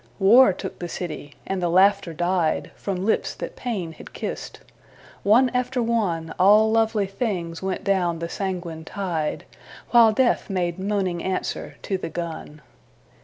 War took the city, and the laughter died From lips that pain had kissed. One after one All lovely things went down the sanguine tide, While death made moaning answer to the gun.